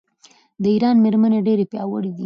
د ایران میرمنې ډیرې پیاوړې دي.